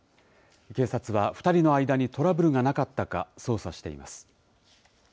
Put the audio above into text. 警察は２人の間にトラブルがなかったか、捜査しています。